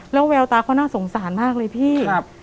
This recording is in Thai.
แล้วแววตาเขาน่าสงสารมากเลยพี่